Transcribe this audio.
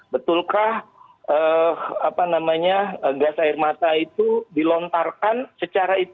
betulkah gas air mata itu dilontarkan secara